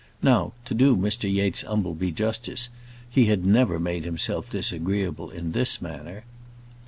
Now, to do Mr Yates Umbleby justice, he had never made himself disagreeable in this manner.